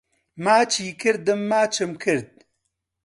ماچی کردم ماچم کرد